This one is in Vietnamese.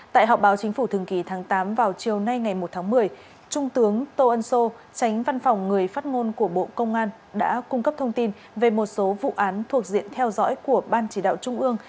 tại họp báo chính phủ thường kỳ tháng tám vào chiều nay ngày một tháng một mươi trung tướng tô ân sô tránh văn phòng người phát ngôn của bộ công an đã cung cấp thông tin về một số vụ án thuộc diện theo dõi của ban chỉ đạo trung ương